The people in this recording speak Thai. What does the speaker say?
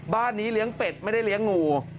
บ้านนี้เลี้ยงเป็ดไม่ได้เลี้ยงงู